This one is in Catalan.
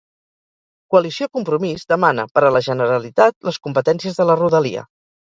Coalició Compromís demana, per a la Generalitat, les competències de la Rodalia.